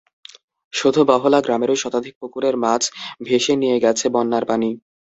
শুধু বহলা গ্রামেরই শতাধিক পুকুরের মাছ ভেসে নিয়ে গেছে বন্যার পানি।